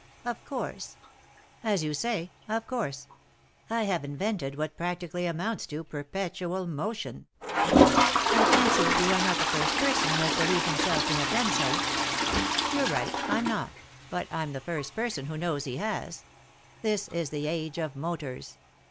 " Of course." "As you say, of course. I have invented what practically amounts to perpetual motion." 63 3i 9 iii^d by Google THE INTERRUPTED KISS "I fancy you are not the first person who has believed himself to have done so." " You're right, I'm not — but I'm the first person who knows he has. This is the age of motors.